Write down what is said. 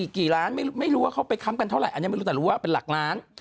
กี่ล้านไม่รู้ว่าเขาไปค้ำกันเท่าไหอันนี้ไม่รู้แต่รู้ว่าเป็นหลักล้าน